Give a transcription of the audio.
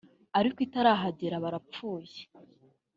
ariko itarahagera aba arapfuye